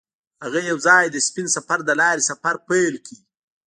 هغوی یوځای د سپین سفر له لارې سفر پیل کړ.